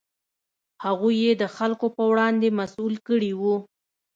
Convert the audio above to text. هغوی یې د خلکو په وړاندې مسوول کړي وو.